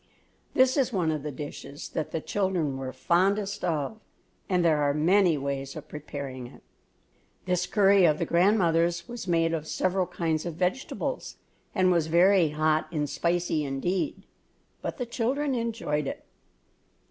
This is one of the dishes that the children were fondest of and there are many ways of preparing it. This curry of the grandmother's was made of several kinds of vegetables, and was very hot and spicy indeed, but the children enjoyed it.